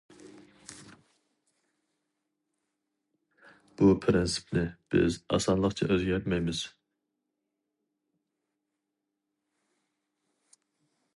بۇ پىرىنسىپنى بىز ئاسانلىقچە ئۆزگەرتمەيمىز.